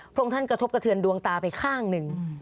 พระองค์ท่านกระทบกระเทือนดวงตาไปข้างหนึ่ง